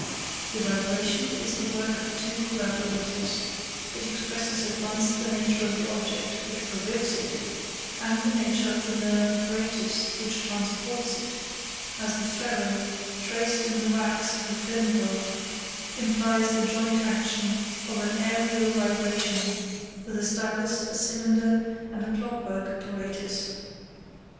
The vibration is the work of two collaborators; it expresses at once the nature of the object which provokes it, and the nature of the nerve apparatus which transports it, as the furrow traced in the wax of the phonograph implies the joint action of an aërial vibration with a stylus, a cylinder, and, a clock work apparatus.